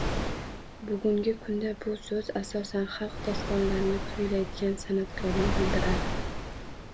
Bugungi kunda bu so'z asosan xalq dostonlarini kuylaydigan san'atkorni bildiradi